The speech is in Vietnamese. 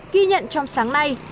ghi nhận trong sáng nay